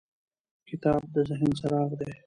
کتاب د ذهن څراغ دی.